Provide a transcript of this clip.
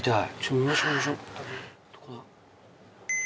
どこだ？